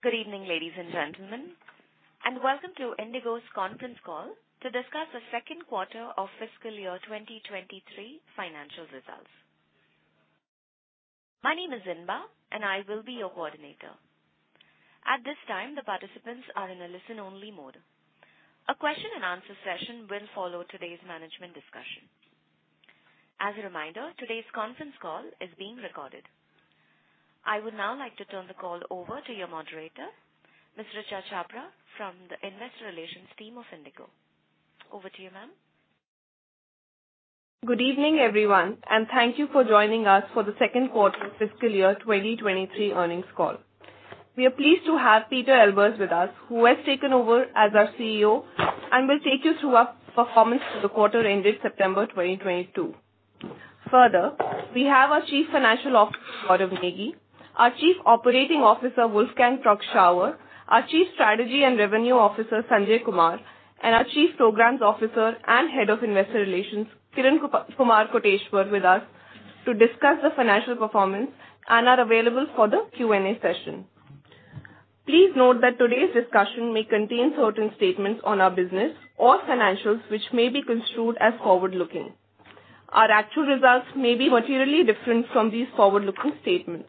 Good evening, ladies and gentlemen, and welcome to IndiGo's conference call to discuss the second quarter of fiscal year 2023 financial results. My name is Zinba, and I will be your coordinator. At this time, the participants are in a listen-only mode. A question-and-answer session will follow today's management discussion. As a reminder, today's conference call is being recorded. I would now like to turn the call over to your moderator, Ms. Richa Chhabra from the Investor Relations team of IndiGo. Over to you, ma'am. Good evening, everyone, and thank you for joining us for the second quarter fiscal year 2023 earnings call. We are pleased to have Pieter Elbers with us, who has taken over as our CEO and will take you through our performance for the quarter ended September 2022. Further, we have our Chief Financial Officer, Gaurav Negi, our Chief Operating Officer, Wolfgang Prock-Schauer, our Chief Strategy and Revenue Officer, Sanjay Kumar, and our Chief Programs Officer and Head of Investor Relations, Kirankumar Koteshwar, with us to discuss the financial performance and are available for the Q&A session. Please note that today's discussion may contain certain statements on our business or financials which may be construed as forward-looking. Our actual results may be materially different from these forward-looking statements.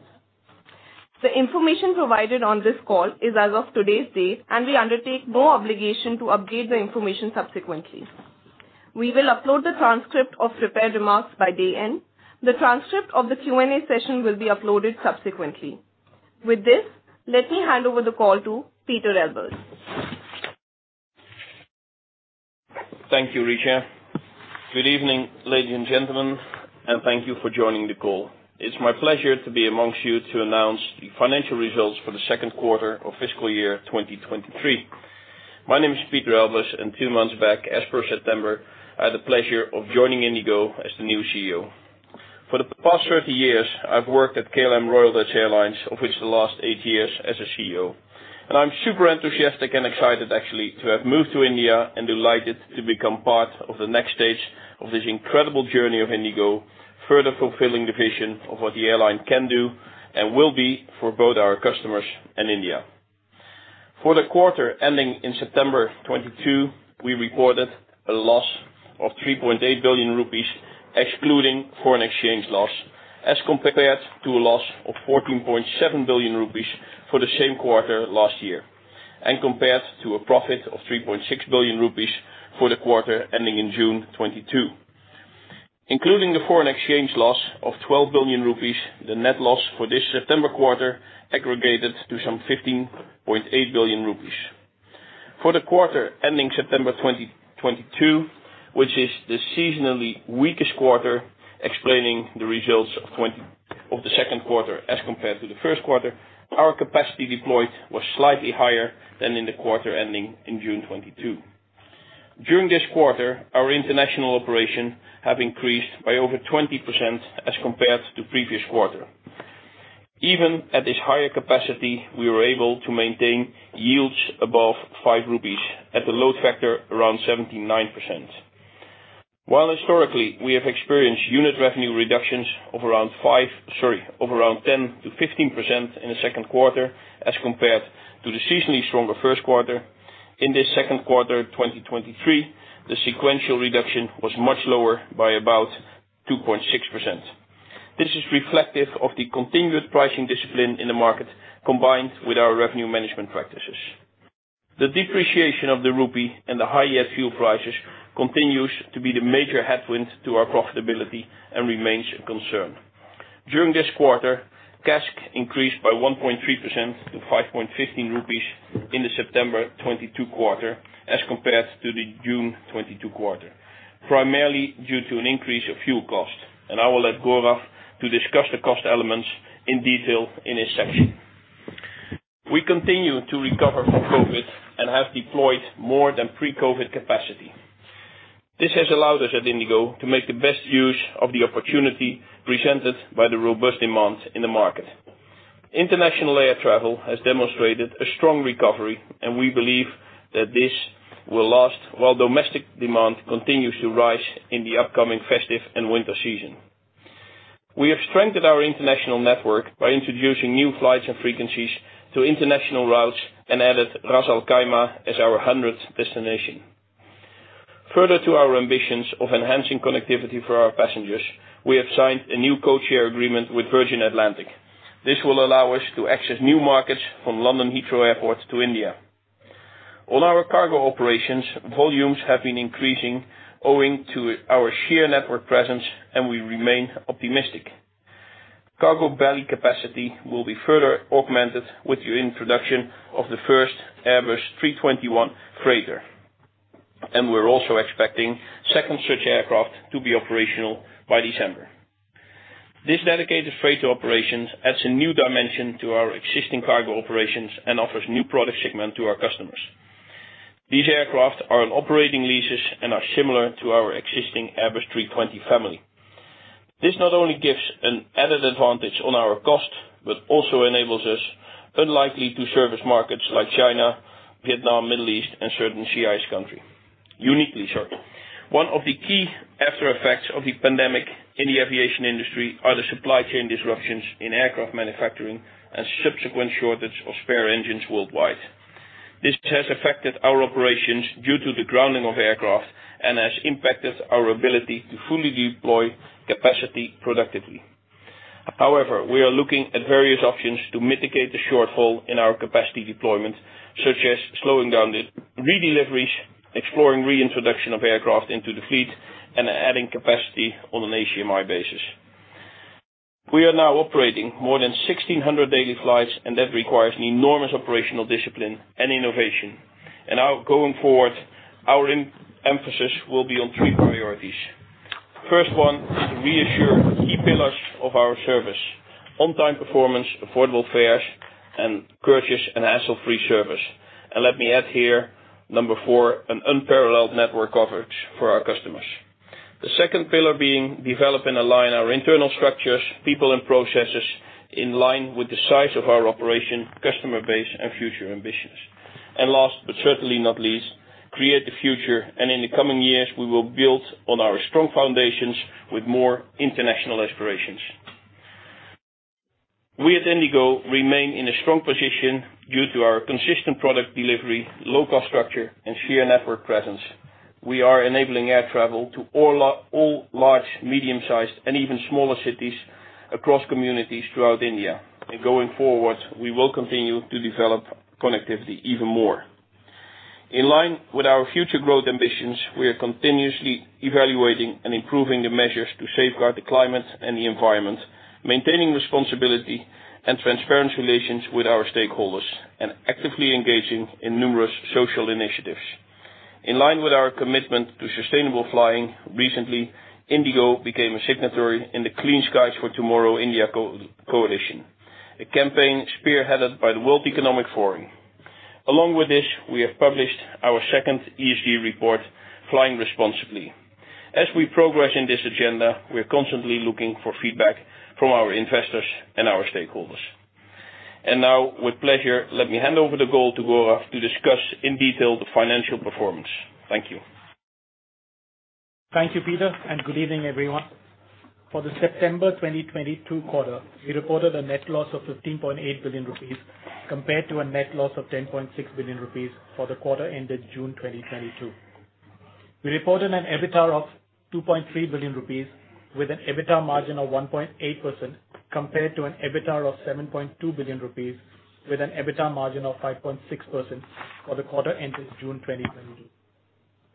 The information provided on this call is as of today's date, and we undertake no obligation to update the information subsequently. We will upload the transcript of prepared remarks by day end. The transcript of the Q&A session will be uploaded subsequently. With this, let me hand over the call to Pieter Elbers. Thank you, Richa. Good evening, ladies and gentlemen, and thank you for joining the call. It's my pleasure to be among you to announce the financial results for the second quarter of fiscal year 2023. My name is Pieter Elbers, and two months back, as of September, I had the pleasure of joining IndiGo as the new CEO. For the past 30 years, I've worked at KLM Royal Dutch Airlines, of which the last eight years as a CEO. I'm super enthusiastic and excited actually, to have moved to India and delighted to become part of the next stage of this incredible journey of IndiGo, further fulfilling the vision of what the airline can do and will be for both our customers and India. For the quarter ending in September 2022, we recorded a loss of 3.8 billion rupees, excluding foreign exchange loss, as compared to a loss of 14.7 billion rupees for the same quarter last year, and compared to a profit of 3.6 billion rupees for the quarter ending in June 2022. Including the foreign exchange loss of 12 billion rupees, the net loss for this September quarter aggregated to some 15.8 billion rupees. For the quarter ending September 2022, which is the seasonally weakest quarter explaining the results of the second quarter as compared to the first quarter, our capacity deployed was slightly higher than in the quarter ending in June 2022. During this quarter, our international operations have increased by over 20% as compared to previous quarter. Even at this higher capacity, we were able to maintain yields above 5 rupees at a load factor around 79%. Historically, we have experienced unit revenue reductions of around 10%-15% in the second quarter as compared to the seasonally stronger first quarter. In this second quarter, 2023, the sequential reduction was much lower by about 2.6%. This is reflective of the continuous pricing discipline in the market, combined with our revenue management practices. The depreciation of the rupee and the high air fuel prices continues to be the major headwind to our profitability and remains a concern. During this quarter, CASK increased by 1.3% to 5.15 rupees in the September 2022 quarter as compared to the June 2022 quarter, primarily due to an increase of fuel cost. I will let Gaurav Negi to discuss the cost elements in detail in his section. We continue to recover from COVID and have deployed more than pre-COVID capacity. This has allowed us at IndiGo to make the best use of the opportunity presented by the robust demand in the market. International air travel has demonstrated a strong recovery, and we believe that this will last while domestic demand continues to rise in the upcoming festive and winter season. We have strengthened our international network by introducing new flights and frequencies to international routes and added Ras Al Khaimah as our hundredth destination. Further to our ambitions of enhancing connectivity for our passengers, we have signed a new codeshare agreement with Virgin Atlantic. This will allow us to access new markets from London Heathrow Airport to India. On our cargo operations, volumes have been increasing owing to our sheer network presence, and we remain optimistic. Cargo belly capacity will be further augmented with the introduction of the first A321 freighter. We're also expecting second such aircraft to be operational by December. This dedicated freighter operation adds a new dimension to our existing cargo operations and offers new product segment to our customers. These aircraft are on operating leases and are similar to our existing A320 family. This not only gives an added advantage on our cost, but also enables us uniquely to service markets like China, Vietnam, Middle East, and certain CIS country. One of the key after effects of the pandemic in the aviation industry are the supply chain disruptions in aircraft manufacturing and subsequent shortage of spare engines worldwide. This has affected our operations due to the grounding of aircraft and has impacted our ability to fully deploy capacity productively. However, we are looking at various options to mitigate the shortfall in our capacity deployment, such as slowing down the redeliveries, exploring reintroduction of aircraft into the fleet, and adding capacity on an ACMI basis. We are now operating more than 1,600 daily flights, and that requires enormous operational discipline and innovation. Now going forward, our emphasis will be on three priorities. First one is to reassure key pillars of our service, on-time performance, affordable fares, and courteous and hassle-free service. Let me add here, number four, an unparalleled network coverage for our customers. The second pillar being to develop and align our internal structures, people and processes in line with the size of our operation, customer base and future ambitions. Last but certainly not least, create the future, and in the coming years, we will build on our strong foundations with more international aspirations. We at IndiGo remain in a strong position due to our consistent product delivery, low-cost structure and sheer network presence. We are enabling air travel to all large, medium-sized and even smaller cities across communities throughout India. Going forward, we will continue to develop connectivity even more. In line with our future growth ambitions, we are continuously evaluating and improving the measures to safeguard the climate and the environment, maintaining responsibility and transparent relations with our stakeholders, and actively engaging in numerous social initiatives. In line with our commitment to sustainable flying, recently, IndiGo became a signatory in the Clean Skies for Tomorrow India coalition, a campaign spearheaded by the World Economic Forum. Along with this, we have published our second ESG report, Flying Responsibly. As we progress in this agenda, we are constantly looking for feedback from our investors and our stakeholders. Now, with pleasure, let me hand over the call to Gaurav Negi to discuss in detail the financial performance. Thank you. Thank you, Pieter, and good evening, everyone. For the September 2022 quarter, we reported a net loss of 15.8 billion rupees compared to a net loss of 10.6 billion rupees for the quarter ended June 2022. We reported an EBITDA of 2.3 billion rupees with an EBITDA margin of 1.8% compared to an EBITDA of 7.2 billion rupees with an EBITDA margin of 5.6% for the quarter ended June 2022.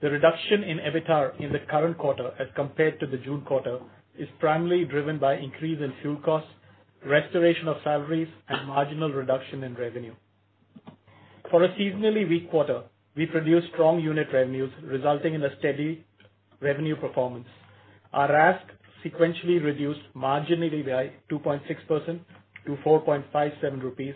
The reduction in EBITDA in the current quarter as compared to the June quarter is primarily driven by increase in fuel costs, restoration of salaries and marginal reduction in revenue. For a seasonally weak quarter, we produced strong unit revenues, resulting in a steady revenue performance. Our RASK sequentially reduced marginally by 2.6% to 4.57 rupees,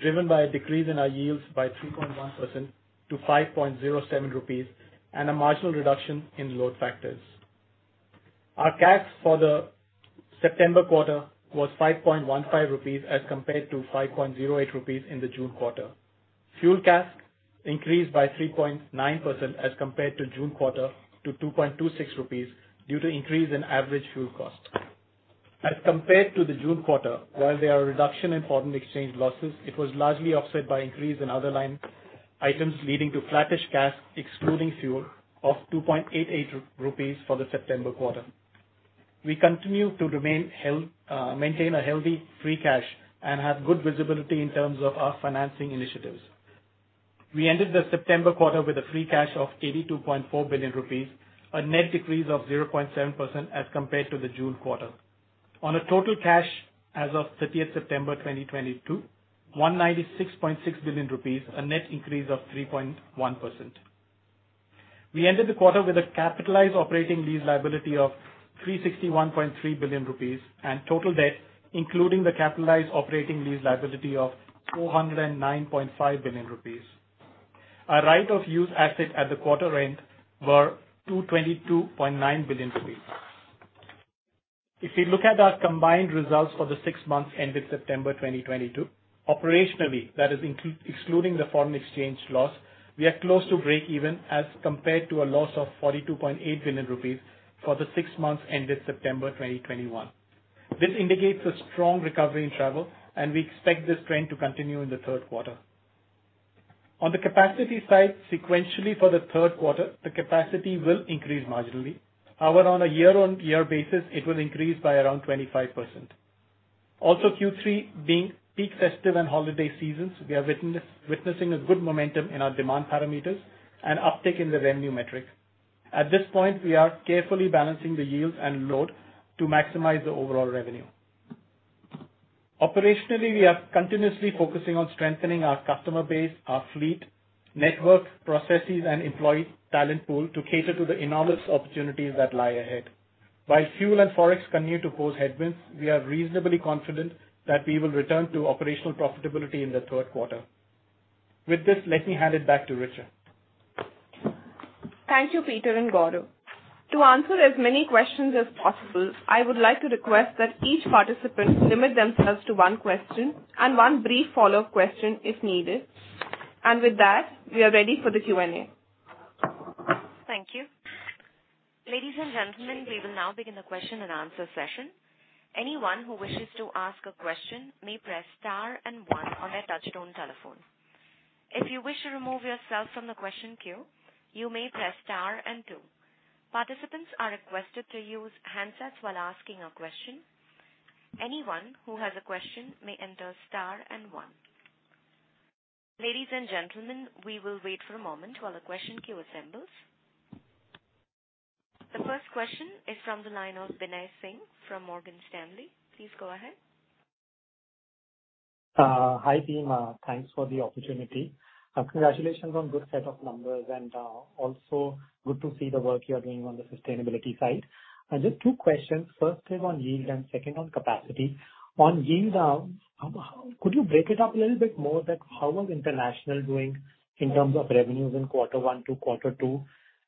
driven by a decrease in our yields by 3.1% to 5.07 rupees and a marginal reduction in load factors. Our CASK for the September quarter was 5.15 rupees as compared to 5.08 rupees in the June quarter. Fuel CASK increased by 3.9% as compared to June quarter to 2.26 rupees due to increase in average fuel cost. As compared to the June quarter, while there was reduction in foreign exchange losses, it was largely offset by increase in other line items, leading to flattish CASK excluding fuel of 2.88 rupees for the September quarter. We continue to maintain a healthy free cash and have good visibility in terms of our financing initiatives. We ended the September quarter with a free cash of 82.4 billion rupees, a net decrease of 0.7% as compared to the June quarter. Our total cash as of 30th September 2022, 196.6 billion rupees, a net increase of 3.1%. We ended the quarter with a capitalized operating lease liability of 361.3 billion rupees and total debt, including the capitalized operating lease liability of 409.5 billion rupees. Our right of use assets at the quarter end were 222.9 billion rupees. If you look at our combined results for the six months ended September 2022, operationally, that is, i.e., excluding the foreign exchange loss, we are close to breakeven as compared to a loss of 42.8 billion rupees for the six months ended September 2021. This indicates a strong recovery in travel, and we expect this trend to continue in the third quarter. On the capacity side, sequentially for the third quarter, the capacity will increase marginally. However, on a year-on-year basis, it will increase by around 25%. Also, Q3 being peak festive and holiday seasons, we are witnessing a good momentum in our demand parameters and uptick in the revenue metric. At this point, we are carefully balancing the yields and load to maximize the overall revenue. Operationally, we are continuously focusing on strengthening our customer base, our fleet, network, processes and employee talent pool to cater to the enormous opportunities that lie ahead. While fuel and Forex continue to pose headwinds, we are reasonably confident that we will return to operational profitability in the third quarter. With this, let me hand it back to Richa. Thank you, Pieter and Gaurav. To answer as many questions as possible, I would like to request that each participant limit themselves to one question and one brief follow-up question if needed. With that, we are ready for the Q&A. Thank you. Ladies and gentlemen, we will now begin the question-and-answer session. Anyone who wishes to ask a question may press star and one on their touchtone telephone. If you wish to remove yourself from the question queue, you may press star and two. Participants are requested to use handsets while asking a question. Anyone who has a question may enter star and one. Ladies and gentlemen, we will wait for a moment while a question queue assembles. The first question is from the line of Binay Singh from Morgan Stanley. Please go ahead. Hi, team. Thanks for the opportunity, and congratulations on good set of numbers, and also good to see the work you are doing on the sustainability side. Just two questions. First is on yield and second on capacity. On yield, how could you break it up a little bit more that how was international doing in terms of revenues in quarter one to quarter two?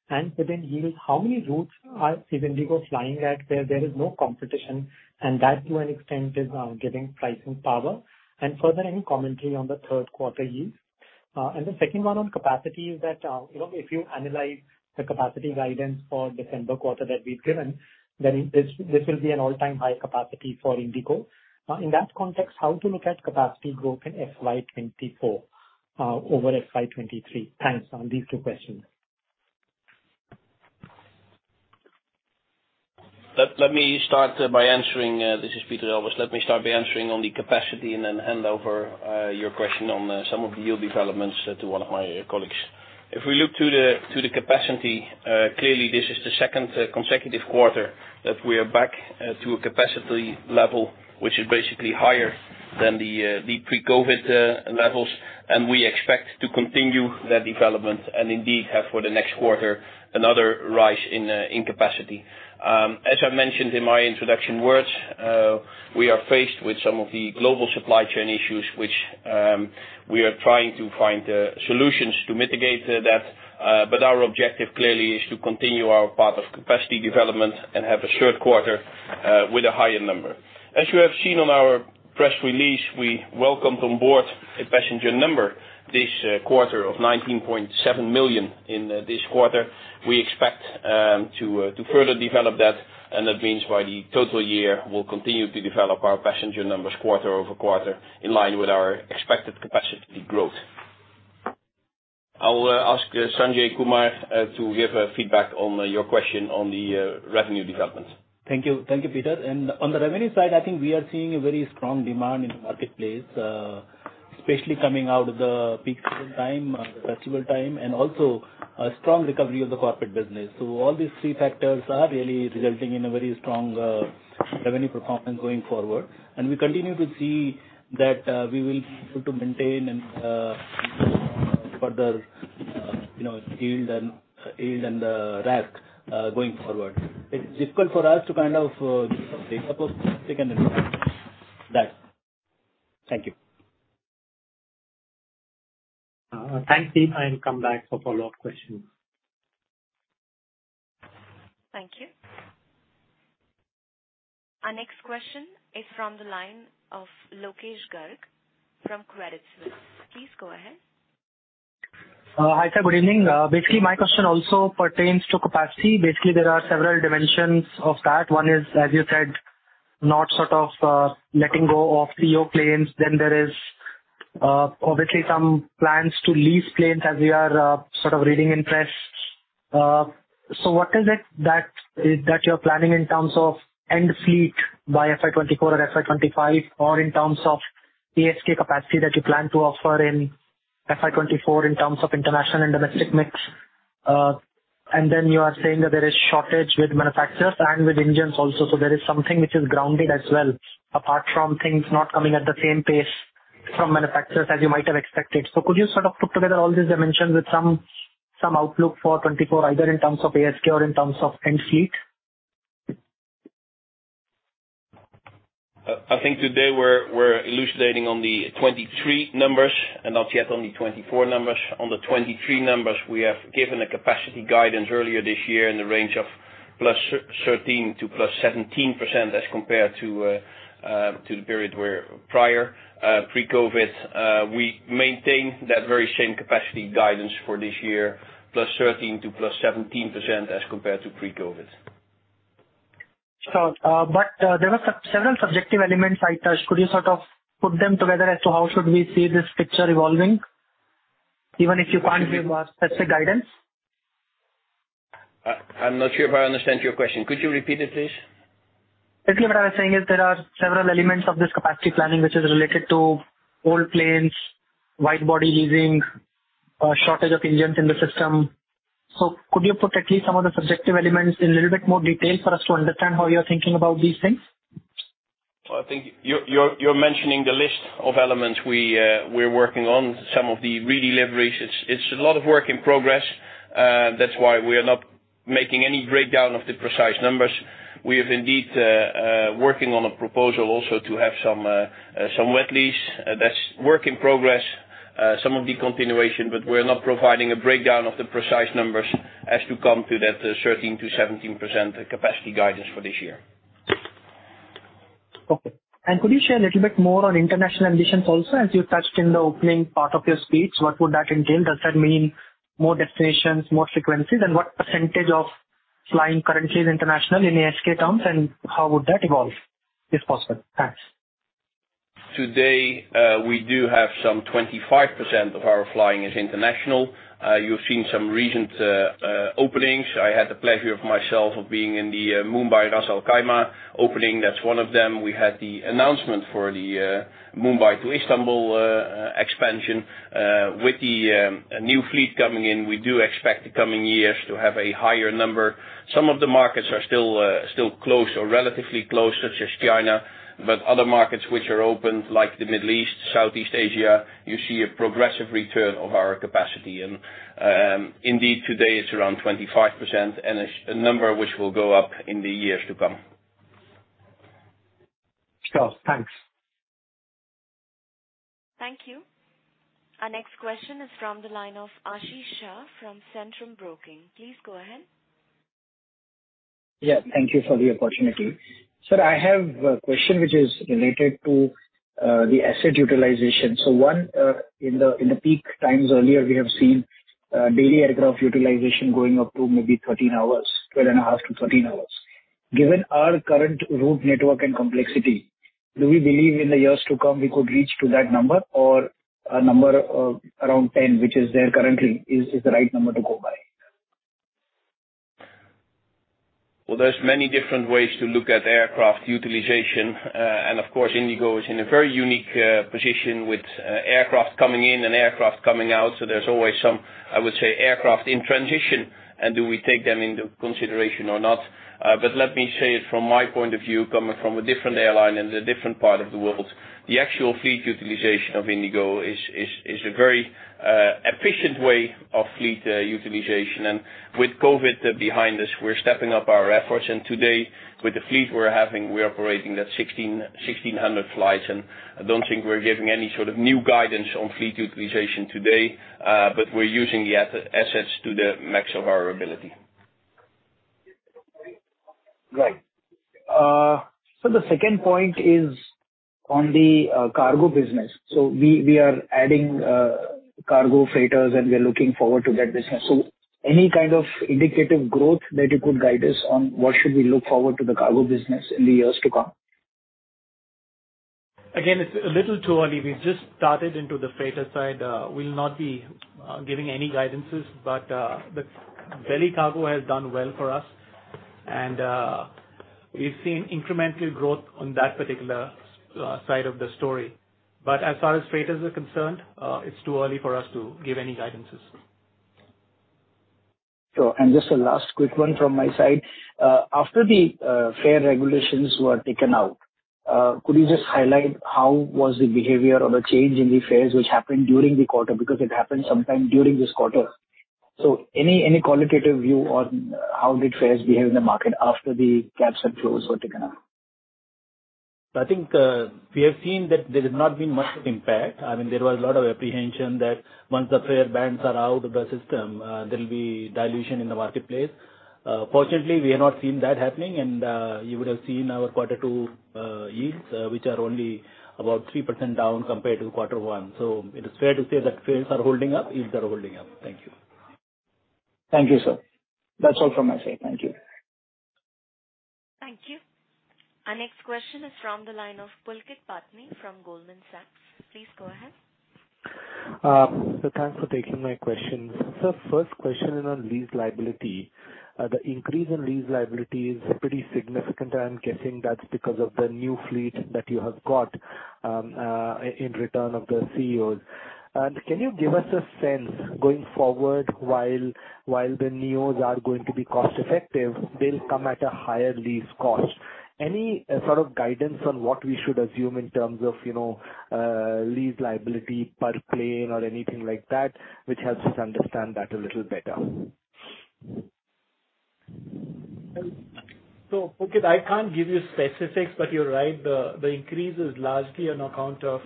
And within yield, how many routes are IndiGo flying at where there is no competition, and that, to an extent, is giving pricing power? And further, any commentary on the third quarter yield. And the second one on capacity is that, you know, if you analyze the capacity guidance for December quarter that we've given, then this will be an all-time high capacity for IndiGo. In that context, how to look at capacity growth in FY 2024 over FY 2023. Thanks for these two questions. This is Pieter Elbers. Let me start by answering on the capacity and then hand over your question on some of the yield developments to one of my colleagues. If we look to the capacity, clearly this is the second consecutive quarter that we are back to a capacity level, which is basically higher than the pre-COVID levels, and we expect to continue that development and indeed have for the next quarter, another rise in capacity. As I've mentioned in my introduction words, we are faced with some of the global supply chain issues, which we are trying to find solutions to mitigate that, but our objective clearly is to continue our path of capacity development and have a third quarter with a higher number. As you have seen on our press release, we welcomed on board a passenger number this quarter of 19.7 million in this quarter. We expect to further develop that, and that means by the total year we'll continue to develop our passenger numbers quarter-over-quarter in line with our expected capacity growth. I'll ask Sanjay Kumar to give a feedback on your question on the revenue development. Thank you. Thank you, Pieter. On the revenue side, I think we are seeing a very strong demand in the marketplace, especially coming out of the peak season time, the festival time, and also a strong recovery of the corporate business. All these three factors are really resulting in a very strong revenue performance going forward. We continue to see that we will be able to maintain and further you know yield and RASK going forward. It's difficult for us to kind of give a data point. We can understand that. Thank you. Thanks, team. I'll come back for follow-up questions. Thank you. Our next question is from the line of Lokesh Garg from Credit Suisse. Please go ahead. Hi, sir. Good evening. Basically my question also pertains to capacity. Basically, there are several dimensions of that. One is, as you said, not sort of letting go of A320ceo planes. There is obviously some plans to lease planes as we are sort of reading in press. What is it that you're planning in terms of end fleet by FY 2024 or FY 2025, or in terms of ASK capacity that you plan to offer in FY 2024 in terms of international and domestic mix? You are saying that there is shortage with manufacturers and with engines also. There is something which is grounded as well, apart from things not coming at the same pace from manufacturers as you might have expected. Could you sort of put together all these dimensions with some outlook for 2024, either in terms of ASK or in terms of end fleet? I think today we're elucidating on the 2023 numbers and not yet on the 2024 numbers. On the 2023 numbers, we have given a capacity guidance earlier this year in the range of +13%-+17% as compared to the pre-COVID period. We maintain that very same capacity guidance for this year, +13%-+17% as compared to pre-COVID. Sure. There were several subjective elements I touched. Could you sort of put them together as to how should we see this picture evolving, even if you can't give a specific guidance? I'm not sure if I understand your question. Could you repeat it, please? Basically what I was saying is there are several elements of this capacity planning which is related to old planes, wide body leasing, shortage of engines in the system. Could you put at least some of the subjective elements in a little bit more detail for us to understand how you're thinking about these things? I think you're mentioning the list of elements we're working on, some of the redeliveries. It's a lot of work in progress. That's why we are not making any breakdown of the precise numbers. We are indeed working on a proposal also to have some wet lease. That's work in progress. Some of the continuation, but we're not providing a breakdown of the precise numbers as to come to that 13%-17% capacity guidance for this year. Okay. Could you share a little bit more on international ambitions also, as you touched in the opening part of your speech, what would that entail? Does that mean more destinations, more frequencies? What percentage of flying currently is international in ASK terms, and how would that evolve, if possible? Thanks. Today, we do have some 25% of our flying is international. You've seen some recent openings. I had the pleasure of myself of being in the Mumbai-Ras Al Khaimah opening. That's one of them. We had the announcement for the Mumbai to Istanbul expansion. With the new fleet coming in, we do expect the coming years to have a higher number. Some of the markets are still close or relatively close, such as China, but other markets which are open, like the Middle East, Southeast Asia, you see a progressive return of our capacity. Indeed, today it's around 25% and it's a number which will go up in the years to come. Sure. Thanks. Thank you. Our next question is from the line of Ashish Shah from Centrum Broking. Please go ahead. Yeah, thank you for the opportunity. Sir, I have a question which is related to the asset utilization. One, in the peak times earlier, we have seen daily aircraft utilization going up to maybe 13 hours, 12.5-13 hours. Given our current route network and complexity, do we believe in the years to come we could reach to that number or a number of around 10, which is there currently is the right number to go by? Well, there's many different ways to look at aircraft utilization. Of course, IndiGo is in a very unique position with aircraft coming in and aircraft coming out, so there's always some, I would say, aircraft in transition and do we take them into consideration or not. Let me say it from my point of view, coming from a different airline in a different part of the world, the actual fleet utilization of IndiGo is a very efficient way of fleet utilization. With COVID behind us, we're stepping up our efforts. Today, with the fleet we're having, we're operating at 1,600 flights, and I don't think we're giving any sort of new guidance on fleet utilization today, but we're using the assets to the max of our ability. Right. The second point is on the cargo business. We are adding cargo freighters and we are looking forward to that business. Any kind of indicative growth that you could guide us on, what should we look forward to the cargo business in the years to come? Again, it's a little too early. We've just started into the freighter side. We'll not be giving any guidances, but the belly cargo has done well for us. We've seen incremental growth on that particular side of the story. As far as freighters are concerned, it's too early for us to give any guidances. Sure. Just a last quick one from my side. After the fare regulations were taken out, could you just highlight how was the behavior or the change in the fares which happened during the quarter? Because it happened sometime during this quarter. Any qualitative view on how did fares behave in the market after the caps and floors were taken out? I think, we have seen that there has not been much impact. I mean, there was a lot of apprehension that once the fare bands are out of the system, there will be dilution in the marketplace. Fortunately, we have not seen that happening. You would have seen our quarter two yields, which are only about 3% down compared to quarter one. It is fair to say that fares are holding up, yields are holding up. Thank you. Thank you, sir. That's all from my side. Thank you. Thank you. Our next question is from the line of Pulkit Patni from Goldman Sachs. Please go ahead. Thanks for taking my questions. First question is on lease liability. The increase in lease liability is pretty significant. I'm guessing that's because of the new fleet that you have got in return of the CEOs. Can you give us a sense going forward, while the NEOs are going to be cost effective, they'll come at a higher lease cost. Any sort of guidance on what we should assume in terms of, you know, lease liability per plane or anything like that, which helps us understand that a little better? Pulkit, I can't give you specifics, but you're right, the increase is largely on account of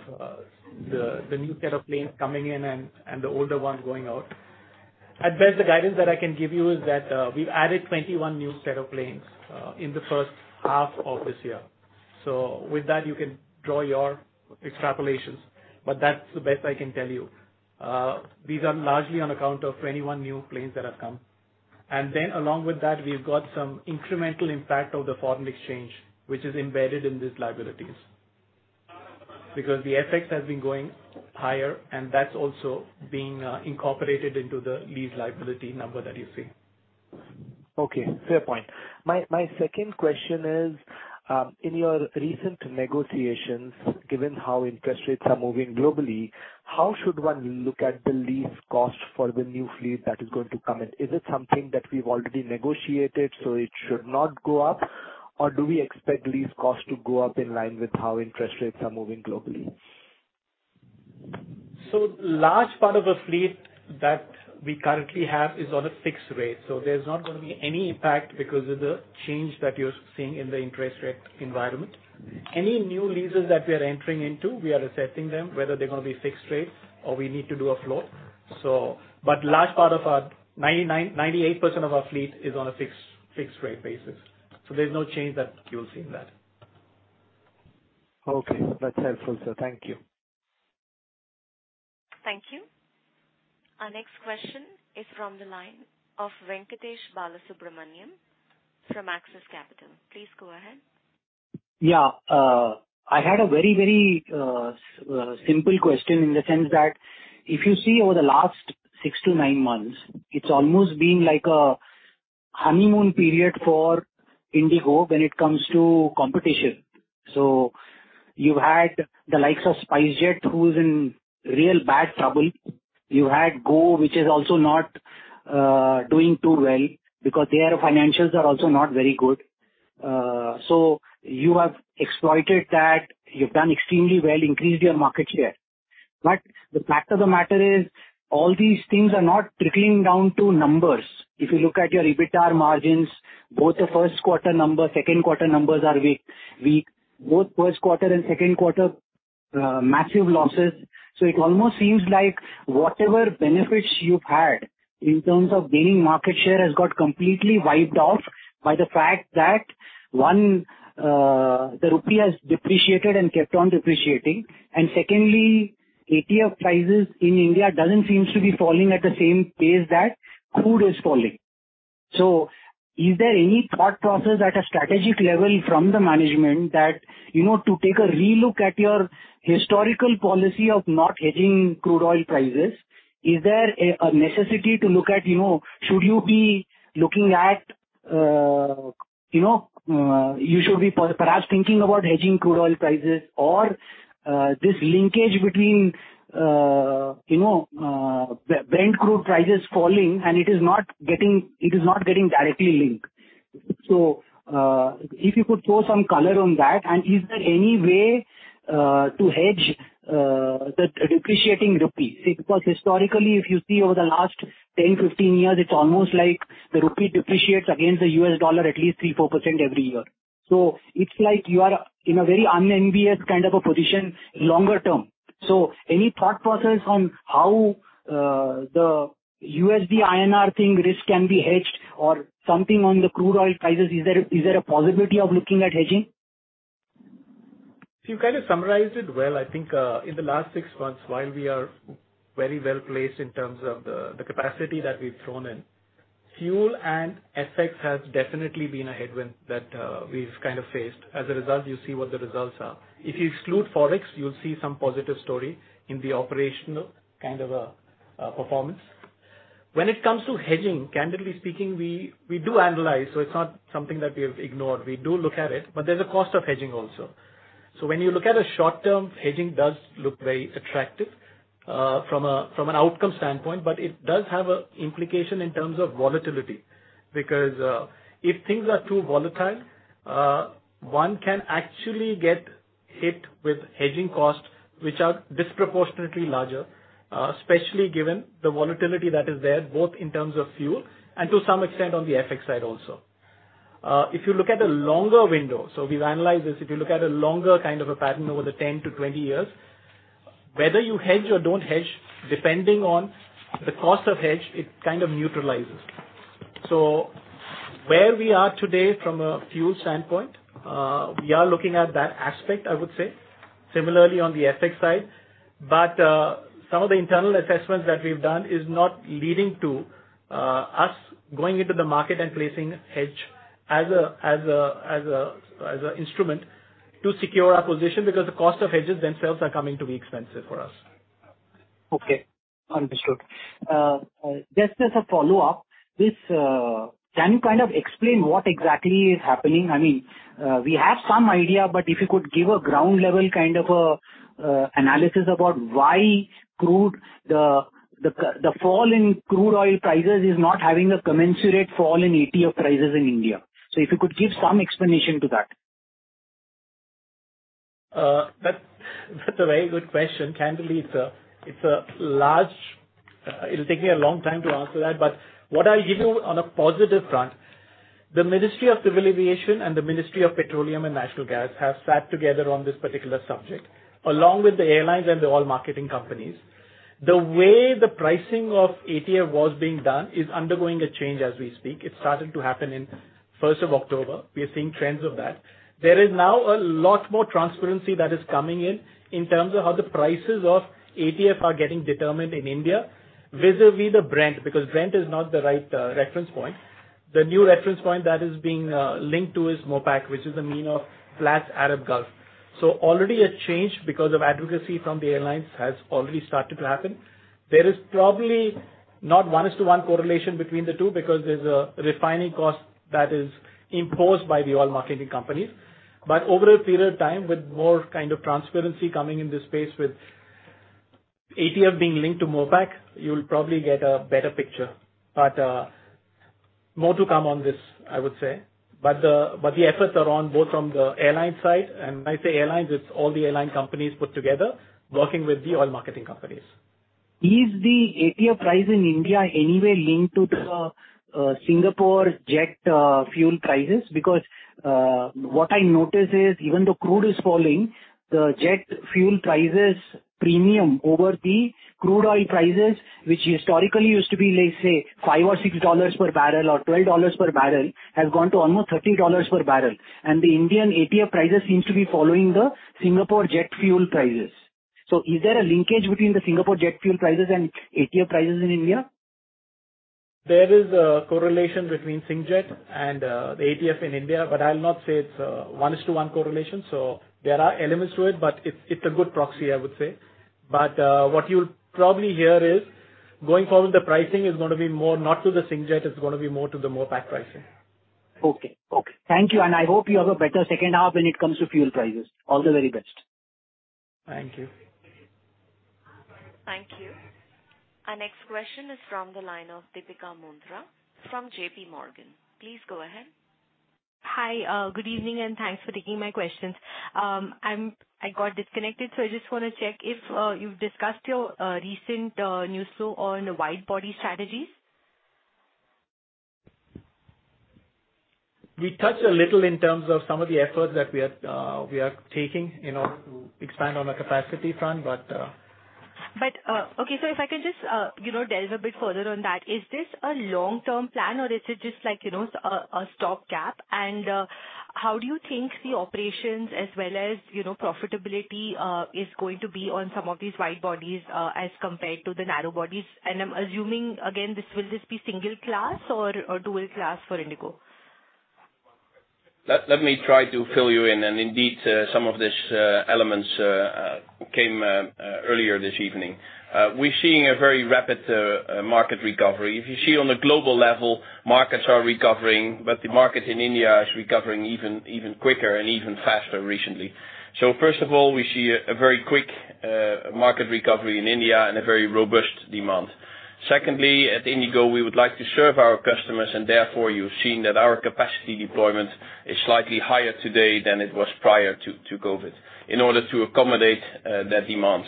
the new set of planes coming in and the older one going out. At best, the guidance that I can give you is that we've added 21 new set of planes in the first half of this year. With that, you can draw your extrapolations, but that's the best I can tell you. These are largely on account of 21 new planes that have come. Then along with that, we've got some incremental impact of the foreign exchange, which is embedded in these liabilities. Because the FX has been going higher, and that's also being incorporated into the lease liability number that you see. Okay. Fair point. My second question is, in your recent negotiations, given how interest rates are moving globally, how should one look at the lease cost for the new fleet that is going to come in? Is it something that we've already negotiated, so it should not go up? Or do we expect lease cost to go up in line with how interest rates are moving globally? A large part of the fleet we currently have is on a fixed rate, so there's not gonna be any impact because of the change that you're seeing in the interest rate environment. Any new leases that we are entering into, we are assessing them, whether they're gonna be fixed rates or we need to do a float. But a large part of our 98% of our fleet is on a fixed rate basis. There's no change that you'll see in that. Okay. That's helpful, sir. Thank you. Thank you. Our next question is from the line of Venkatesh Balasubramaniam from Axis Capital. Please go ahead. Yeah. I had a very simple question in the sense that if you see over the last six to nine months, it's almost been like a honeymoon period for IndiGo when it comes to competition. You had the likes of SpiceJet who's in real bad trouble. You had Go First, which is also not doing too well because their financials are also not very good. You have exploited that. You've done extremely well, increased your market share. The fact of the matter is all these things are not trickling down to numbers. If you look at your EBITDAR margins, both the first quarter number and second quarter numbers are weak. Both first quarter and second quarter massive losses. It almost seems like whatever benefits you've had in terms of gaining market share has got completely wiped off by the fact that, one, the rupee has depreciated and kept on depreciating. Secondly, ATF prices in India doesn't seem to be falling at the same pace that crude is falling. Is there any thought process at a strategic level from the management that, you know, to take a relook at your historical policy of not hedging crude oil prices? Is there a necessity to look at, you know, should you be looking at, you know, you should be perhaps thinking about hedging crude oil prices or this linkage between, you know, Brent crude prices falling and it is not getting directly linked? If you could throw some color on that. Is there any way to hedge the depreciating rupee? Because historically, if you see over the last 10, 15 years, it's almost like the rupee depreciates against the US dollar at least 3%-4% every year. It's like you are in a very unenvious kind of a position longer term. Any thought process on how the USD INR thing risk can be hedged or something on the crude oil prices? Is there a possibility of looking at hedging? You kind of summarized it well. I think in the last six months, while we are very well-placed in terms of the capacity that we've thrown in, fuel and FX has definitely been a headwind that we've kind of faced. As a result, you see what the results are. If you exclude Forex, you'll see some positive story in the operational kind of a performance. When it comes to hedging, candidly speaking, we do analyze, so it's not something that we have ignored. We do look at it, but there's a cost of hedging also. When you look at a short term, hedging does look very attractive from an outcome standpoint, but it does have a implication in terms of volatility. Because if things are too volatile, one can actually get hit with hedging costs which are disproportionately larger, especially given the volatility that is there both in terms of fuel and to some extent on the FX side also. If you look at a longer window, so we've analyzed this. If you look at a longer kind of a pattern over the 10-20 years, whether you hedge or don't hedge, depending on the cost of hedge, it kind of neutralizes. Where we are today from a fuel standpoint, we are looking at that aspect, I would say. Similarly on the FX side. Some of the internal assessments that we've done is not leading to us going into the market and placing hedge as a instrument to secure our position because the cost of hedges themselves are coming to be expensive for us. Okay. Understood. Just as a follow-up, this. Can you kind of explain what exactly is happening? I mean, we have some idea, but if you could give a ground-level kind of a analysis about why crude, the fall in crude oil prices is not having a commensurate fall in ATF prices in India. If you could give some explanation to that. That's a very good question. Candidly, it's a large, it'll take me a long time to answer that. What I'll give you on a positive front, the Ministry of Civil Aviation and the Ministry of Petroleum and Natural Gas have sat together on this particular subject, along with the airlines and the oil marketing companies. The way the pricing of ATF was being done is undergoing a change as we speak. It started to happen in first of October. We are seeing trends of that. There is now a lot more transparency that is coming in in terms of how the prices of ATF are getting determined in India vis-à-vis the Brent, because Brent is not the right reference point. The new reference point that is being linked to is MOPS Arab Gulf, which is the mean of Platts Arab Gulf. Already a change because of advocacy from the airlines has already started to happen. There is probably not one-to-one correlation between the two because there's a refining cost that is imposed by the oil marketing companies. Over a period of time, with more kind of transparency coming in this space, with ATF being linked to MOPAG, you'll probably get a better picture. More to come on this, I would say, but the efforts are on both from the airline side, and when I say airlines, it's all the airline companies put together working with the oil marketing companies. Is the ATF price in India anywhere linked to the Singapore Jet fuel prices? Because what I notice is even though crude is falling, the jet fuel prices premium over the crude oil prices, which historically used to be, let's say $5 or $6 per barrel or $12 per barrel, has gone to almost $30 per barrel. The Indian ATF prices seems to be following the Singapore Jet fuel prices. Is there a linkage between the Singapore Jet fuel prices and ATF prices in India? There is a correlation between Singapore Jet and the ATF in India, but I'll not say it's one-to-one correlation, so there are elements to it, but it's a good proxy, I would say. What you'll probably hear is, going forward, the pricing is gonna be more not to the Singapore Jet, it's gonna be more to the MOPAG pricing. Okay. Thank you. I hope you have a better second half when it comes to fuel prices. All the very best. Thank you. Thank you. Our next question is from the line of Deepika Mundra from JP Morgan. Please go ahead. Hi, good evening, and thanks for taking my questions. I got disconnected, so I just wanna check if you've discussed your recent news flow on wide body strategies. We touched a little in terms of some of the efforts that we are taking in order to expand on the capacity front, but. Okay, so if I can just, you know, delve a bit further on that. Is this a long-term plan or is it just like, you know, a stopgap? How do you think the operations as well as, you know, profitability, is going to be on some of these wide bodies, as compared to the narrow bodies? I'm assuming again, this will this be single class or dual class for IndiGo? Let me try to fill you in. Indeed, some of these elements came earlier this evening. We're seeing a very rapid market recovery. If you see on a global level, markets are recovering, but the market in India is recovering even quicker and even faster recently. First of all, we see a very quick market recovery in India and a very robust demand. Secondly, at IndiGo, we would like to serve our customers and therefore you've seen that our capacity deployment is slightly higher today than it was prior to COVID, in order to accommodate that demand.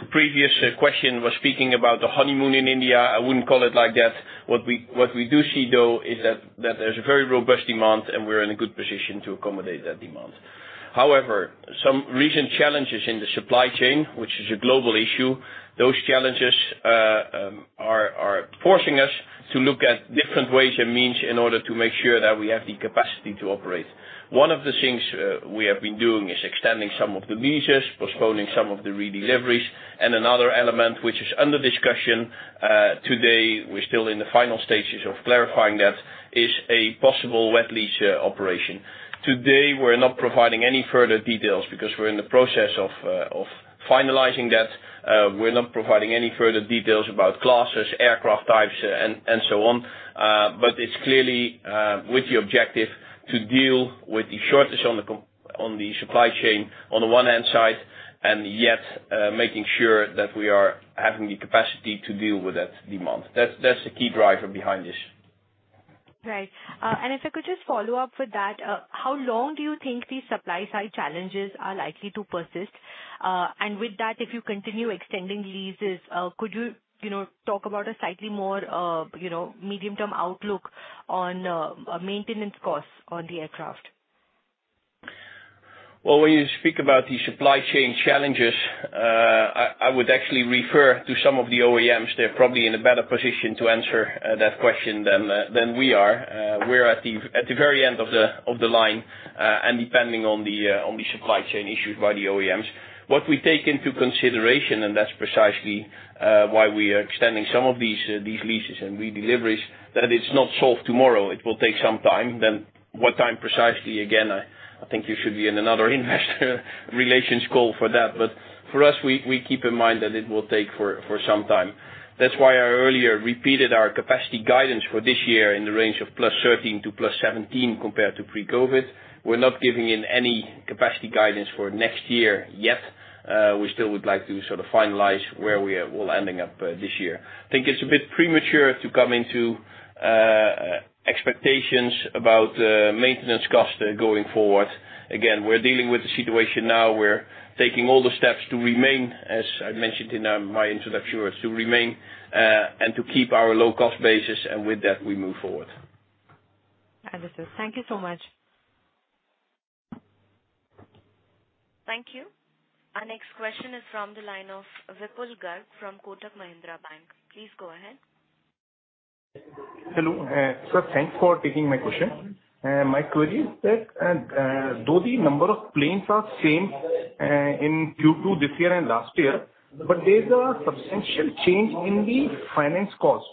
The previous question was speaking about the honeymoon in India. I wouldn't call it like that. What we do see, though, is that there's a very robust demand, and we're in a good position to accommodate that demand. However, some recent challenges in the supply chain, which is a global issue, those challenges are forcing us to look at different ways and means in order to make sure that we have the capacity to operate. One of the things we have been doing is extending some of the leases, postponing some of the redeliveries, and another element which is under discussion today, we're still in the final stages of clarifying that, is a possible wet lease operation. Today, we're not providing any further details because we're in the process of finalizing that. We're not providing any further details about clauses, aircraft types, and so on. It's clearly with the objective to deal with the shortage on the supply chain on the one hand side, and yet making sure that we are having the capacity to deal with that demand. That's the key driver behind this. Right. If I could just follow up with that, how long do you think these supply-side challenges are likely to persist? With that, if you continue extending leases, could you know, talk about a slightly more, you know, medium-term outlook on maintenance costs on the aircraft? Well, when you speak about the supply chain challenges, I would actually refer to some of the OEMs. They're probably in a better position to answer that question than we are. We're at the very end of the line, and depending on the supply chain issues by the OEMs. What we take into consideration, and that's precisely why we are extending some of these leases and redeliveries, that it's not solved tomorrow. It will take some time. What time precisely? Again, I think you should be in another investor relations call for that. For us, we keep in mind that it will take for some time. That's why I earlier repeated our capacity guidance for this year in the range of +13% to +17% compared to pre-COVID. We're not giving any capacity guidance for next year yet. We still would like to sort of finalize where we are all ending up this year. I think it's a bit premature to come out with expectations about maintenance costs going forward. We're dealing with the situation now. We're taking all the steps to remain, as I mentioned in my introduction, and to keep our low-cost basis, and with that, we move forward. Understood. Thank you so much. Thank you. Our next question is from the line of Vipul Garg from Kotak Mahindra Bank. Please go ahead. Hello. Sir, thanks for taking my question. My query is that, though the number of planes are same, in Q2 this year and last year, but there's a substantial change in the finance cost.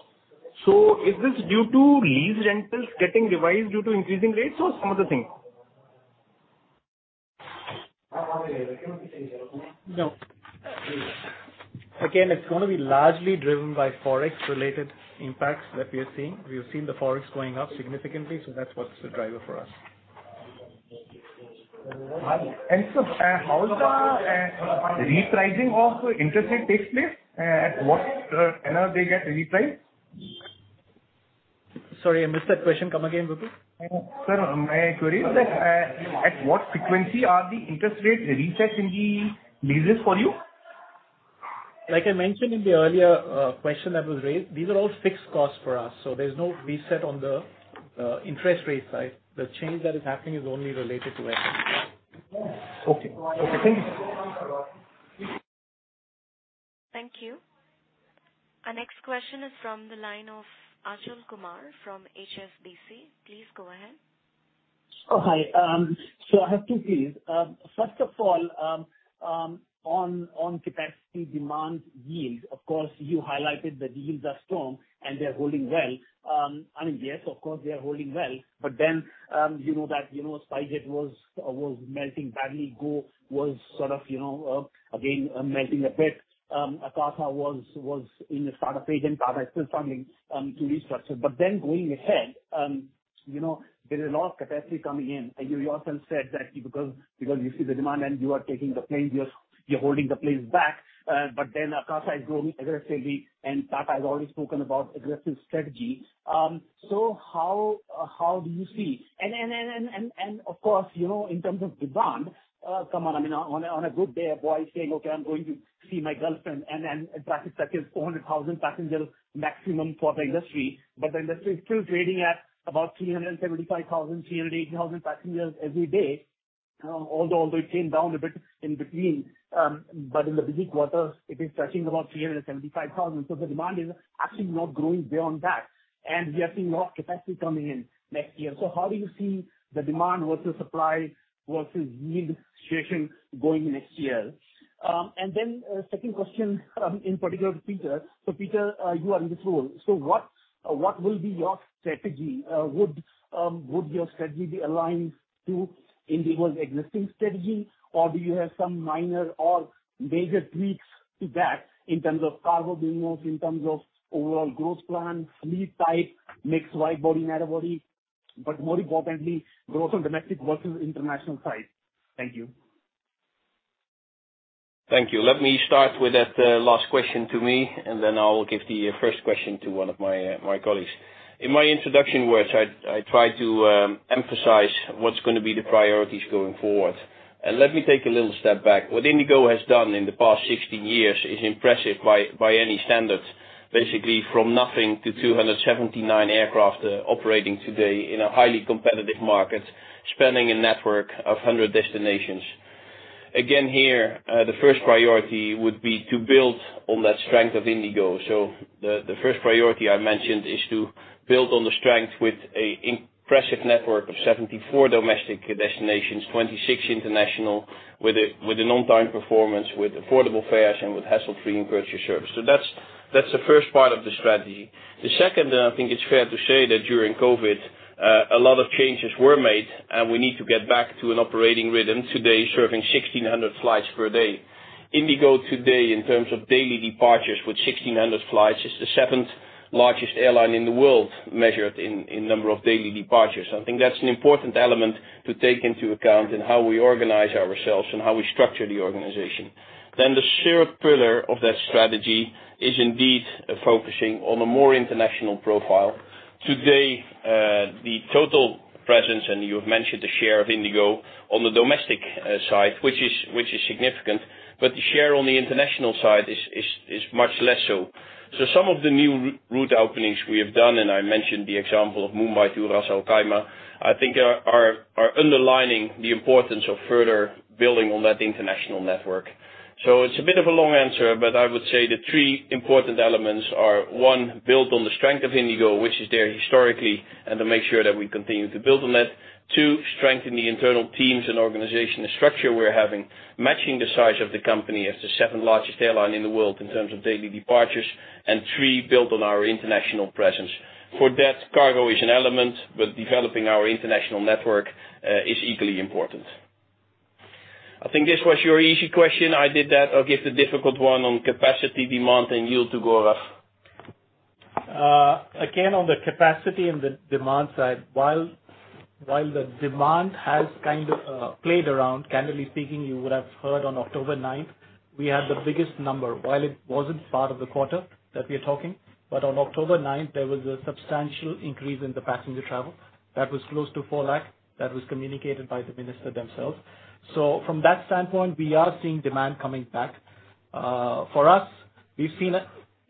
Is this due to lease rentals getting revised due to increasing rates or some other thing? Again, it's gonna be largely driven by Forex-related impacts that we are seeing. We have seen the Forex going up significantly, so that's what's the driver for us. How the repricing of interest rate takes place, at what interval they get repriced? Sorry, I missed that question. Come again, Vipul Garg. Sir, my query is that at what frequency are the interest rates reset in the leases for you? Like I mentioned in the earlier question that was raised, these are all fixed costs for us, so there's no reset on the interest rate side. The change that is happening is only related to FX. Okay. Okay, thank you. Thank you. Our next question is from the line of Achal Kumar from HSBC. Please go ahead. I have two things. First of all, on capacity demand yield, of course, you highlighted the yields are strong and they're holding well. I mean, yes, of course they are holding well, but then you know that, you know, SpiceJet was melting badly. Go was sort of, you know, again, melting a bit. Akasa was in the startup phase and Tata is still struggling to restructure. Going ahead, you know, there is a lot of capacity coming in. You yourself said that because you see the demand and you are taking the planes, you're holding the planes back, but then Akasa is growing aggressively and Tata has already spoken about aggressive strategy. How do you see? Of course, you know, in terms of demand, come on, I mean on a good day a boy is saying, "Okay, I'm going to see my girlfriend," and then traffic touches 400,000 passengers maximum for the industry. The industry is still trading at about 375,000-380,000 passengers every day. Although it came down a bit in between, in the busy quarters it is touching about 375,000. The demand is actually not growing beyond that, and we are seeing a lot of capacity coming in next year. How do you see the demand versus supply versus yield situation going next year? Then, second question, in particular to Pieter. Pieter, you are in this role, what will be your strategy? Would your strategy be aligned to IndiGo's existing strategy, or do you have some minor or major tweaks to that in terms of cargo business, in terms of overall growth plan, fleet type, mix wide-body, narrow-body, but more importantly, growth on domestic versus international side? Thank you. Thank you. Let me start with that last question to me, and then I will give the first question to one of my colleagues. In my introduction words I tried to emphasize what's gonna be the priorities going forward. Let me take a little step back. What IndiGo has done in the past 16 years is impressive by any standard. Basically from nothing to 279 aircraft operating today in a highly competitive market, spanning a network of 100 destinations. Again, here, the first priority would be to build on that strength of IndiGo. The first priority I mentioned is to build on the strength with an impressive network of 74 domestic destinations, 26 international, with an on-time performance, with affordable fares and with hassle-free in-flight service. That's the first part of the strategy. The second, and I think it's fair to say that during COVID, a lot of changes were made, and we need to get back to an operating rhythm today serving 1,600 flights per day. IndiGo today, in terms of daily departures with 1,600 flights, is the seventh largest airline in the world measured in number of daily departures. I think that's an important element to take into account in how we organize ourselves and how we structure the organization. The third pillar of that strategy is indeed focusing on a more international profile. Today, the total presence, and you've mentioned the share of IndiGo on the domestic side, which is significant, but the share on the international side is much less so. Some of the new route openings we have done, and I mentioned the example of Mumbai to Ras Al Khaimah, I think are underlining the importance of further building on that international network. It's a bit of a long answer, but I would say the three important elements are, one, build on the strength of IndiGo, which is there historically, and to make sure that we continue to build on that. Two, strengthen the internal teams and organizational structure we're having, matching the size of the company as the seventh largest airline in the world in terms of daily departures. And three, build on our international presence. For that, cargo is an element, but developing our international network is equally important. I think this was your easy question. I did that. I'll give the difficult one on capacity, demand, and yield to Gaurav. Again, on the capacity and the demand side, while the demand has kind of played around, candidly speaking, you would have heard on October ninth, we had the biggest number. While it wasn't part of the quarter that we're talking, but on October ninth there was a substantial increase in the passenger travel that was close to 4 lakh, that was communicated by the minister themselves. From that standpoint, we are seeing demand coming back. For us, we've seen